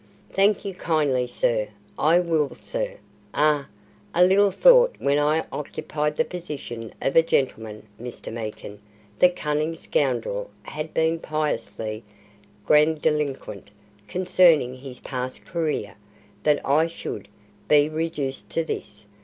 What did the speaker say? "Thank you kindly, sir. I will, sir. Ah! I little thought when I occupied the position of a gentleman, Mr. Meekin" the cunning scoundrel had been piously grandiloquent concerning his past career "that I should be reduced to this.